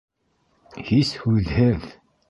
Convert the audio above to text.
— Һис һүҙһеҙ.